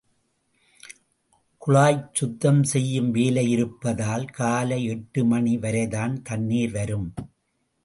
குழாய் சுத்தம் செய்யும் வேலை இருப்பதால், காலை எட்டு மணி வரைதான் தண்ணீர் வரும்.